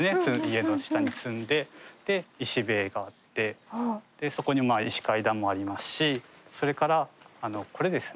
家の下に積んで石塀があってそこに石階段もありますしそれからこれですね